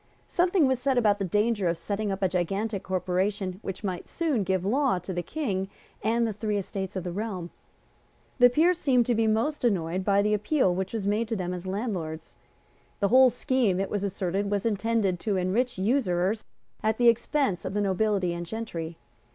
Something was said about the danger of setting up a gigantic corporation which might soon give law to the King and the three Estates of the Realm. But the Peers seemed to be most moved by the appeal which was made to them as landlords. The whole scheme, it was asserted, was intended to enrich usurers at the expense of the nobility and gentry.